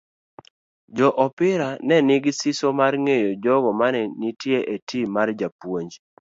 Joopira ne nigi siso mar ng'eyo jogo mane nitie e tim mar japuonj.